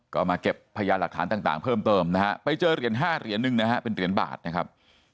ก็มาเก็บพยานหลักฐานต่างเพิ่มเติมนะฮะไปเจอเหรียญ๕เหรียญหนึ่งนะฮะเป็นเหรียญบาทนะครับ